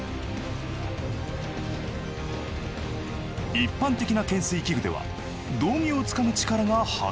一般的な懸垂器具では道着をつかむ力が測れない。